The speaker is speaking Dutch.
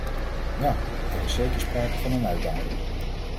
Ja, er is zeker sprake van een uitdaging!